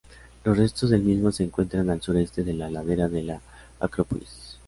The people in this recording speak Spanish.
Los restos del mismo se encuentran al suroeste de la ladera de la Acrópolis.